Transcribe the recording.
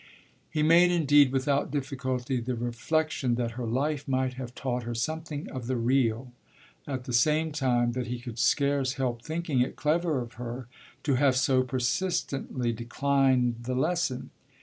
He made indeed without difficulty the reflexion that her life might have taught her something of the real, at the same time that he could scarce help thinking it clever of her to have so persistently declined the lesson.